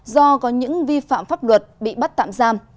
do có những vi phạm pháp luật bị bắt tạm giam